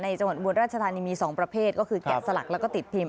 จังหวัดอุบลราชธานีมี๒ประเภทก็คือแกะสลักแล้วก็ติดพิมพ์